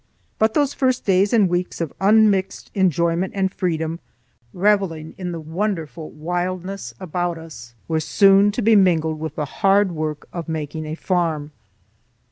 But those first days and weeks of unmixed enjoyment and freedom, reveling in the wonderful wildness about us, were soon to be mingled with the hard work of making a farm.